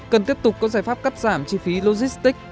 cần tiếp tục có giải pháp cắt giảm chi phí logistics